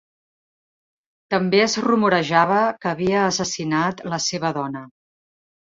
També es rumorejava que havia assassinat la seva dona.